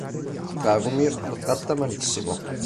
Dragomir lo tratta malissimo.